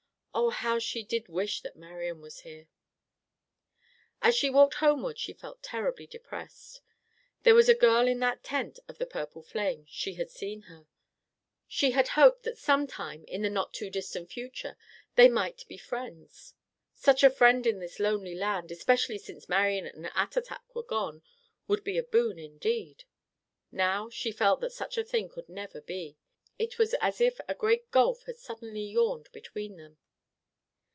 Oh, how she did wish that Marian was here! As she walked homeward she felt terribly depressed. There was a girl in that tent of the purple flame. She had seen her. She had hoped that sometime, in the not too distant future, they might be friends. Such a friend in this lonely land, especially since Marian and Attatak were gone, would be a boon indeed. Now she felt that such a thing could never be. It was as if a great gulf had suddenly yawned between them.